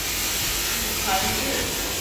母谈氏。